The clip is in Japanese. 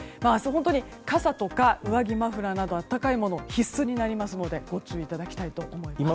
本当に傘とか上着、マフラーなど温かいものが必須になるのでご注意いただきたいと思います。